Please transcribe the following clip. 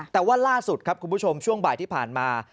แต่ว่าล่าสุดครับคุณผู้ชมช่วงบ่ายที่ผ่านมา